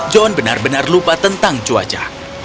john benar benar lupa tentang cuaca